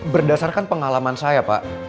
berdasarkan pengalaman saya pak